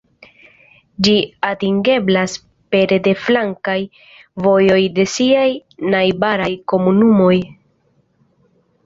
Ĝi atingeblas pere de flankaj vojoj de siaj najbaraj komunumoj.